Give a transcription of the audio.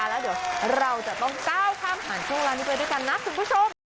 แล้วเดี๋ยวเราจะต้องก้าวข้ามผ่านช่วงเวลานี้ไปด้วยกันนะคุณผู้ชม